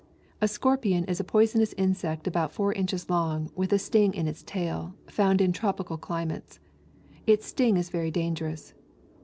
] A scorpion is a poisonous insect about four inchea long, with a sting in its tail, found in tropical climates. Its sting is very dangerous.